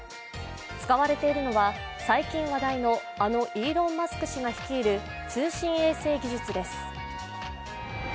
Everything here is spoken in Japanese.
使われているのは最近話題のあのイーロン・マスク氏が率いる通信衛星技術です。